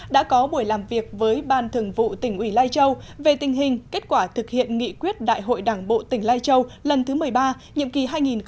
đã có buổi làm việc với ban thường vụ tỉnh ủy lai châu về tình hình kết quả thực hiện nghị quyết đại hội đảng bộ tỉnh lai châu lần thứ một mươi ba nhiệm kỳ hai nghìn hai mươi hai nghìn hai mươi